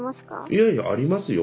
いやいやありますよ。